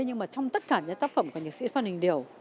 nhưng mà trong tất cả những tác phẩm của nhạc sĩ phan đình điều